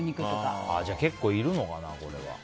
じゃあ結構いるのかな。